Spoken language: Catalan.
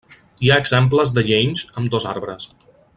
Hi ha exemples de llenys amb dos arbres.